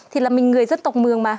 thì là mình người dân tộc mường mà